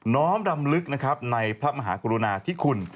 น้องดำลึกในพระมหากุยุณาที่คุณ